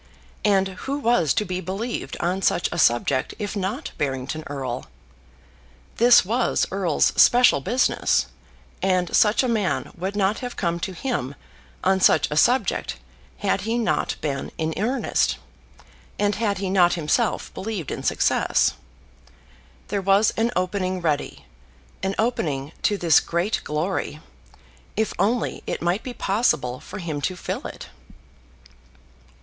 And who was to be believed on such a subject if not Barrington Erle? This was Erle's special business, and such a man would not have come to him on such a subject had he not been in earnest, and had he not himself believed in success. There was an opening ready, an opening to this great glory, if only it might be possible for him to fill it!